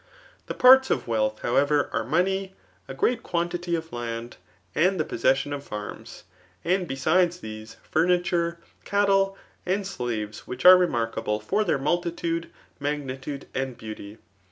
The parts of wealthy however, are money, a great quantity of land, and the possessioB of farms ; and be sides these, fomiture^ ca^e, and slaves which are remark able for their, multitude, magnitude and beauty.